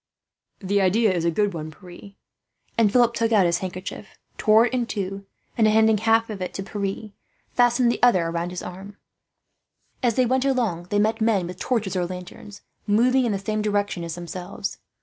"The idea is a good one, Pierre;" and Philip took out his handkerchief, tore it in two and, handing half of it to Pierre, fastened the other round his arm. As they went along, they met men with torches or lanterns, moving in the same direction as themselves.